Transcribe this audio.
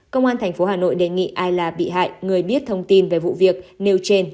công an tp hà nội đề nghị ai là bị hại người biết thông tin về vụ việc nêu trên